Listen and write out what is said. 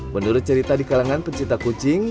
menurut cerita di kalangan pencinta kucing